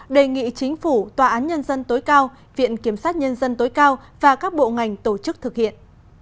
đề nghị chính phủ tòa án nhân dân tối cao viện kiểm sát nhân dân tối cao và các bộ ngành tổ chức thực hiện